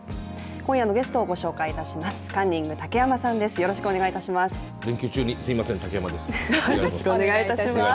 今夜のゲストをご紹介いたします。